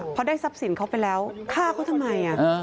พอได้ทรัพย์สินเขาไปแล้วฆ่าเขาทำไม